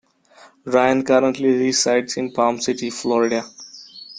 Ryan currently resides in Palm City, Florida.